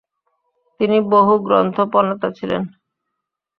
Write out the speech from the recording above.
তিনি বহুগ্রন্থপ্রণেতা ছিলেন।